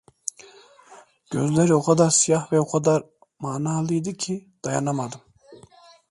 Gözleri o kadar siyah ve o kadar manalıydı ki, dayanamadım: